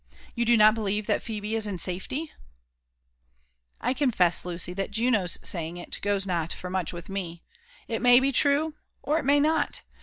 You do not believe that Phebe is in safety ?*^ "I confess, Lucy, that Juno's saying it goes not for much with me. ^It may be true, or it may not.